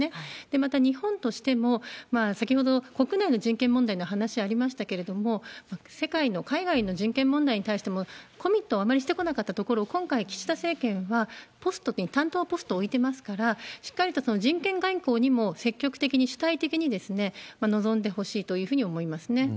また日本としても、先ほど、国内の人権問題の話ありましたけれども、世界の、海外の人権問題に対してもコミットをあまりしてこなかったところを、今回、岸田政権は担当ポストを置いてますから、しっかりとその人権外交にも積極的に主体的に臨んでほしいというふうに思いますね。